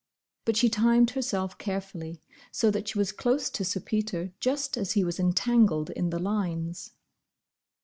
But she timed herself carefully, so that she was close to Sir Peter just as he was entangled in the lines.